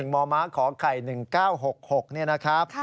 ๑มมขไข๑๙๖๖นะครับ